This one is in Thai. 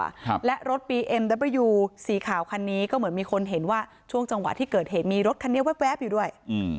ครับและรถบีเอ็มดับเบอร์ยูสีขาวคันนี้ก็เหมือนมีคนเห็นว่าช่วงจังหวะที่เกิดเหตุมีรถคันนี้แวบอยู่ด้วยอืม